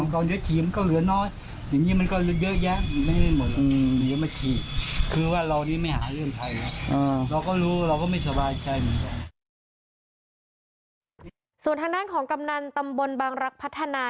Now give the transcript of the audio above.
ส่วนทางด้านของกำนันตำบลบางรักพัฒนา